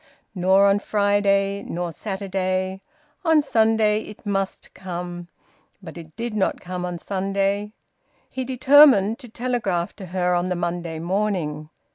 Nor on Friday nor Saturday. On Sunday it must come. But it did not come on Sunday. He determined to telegraph to her on the Monday morning.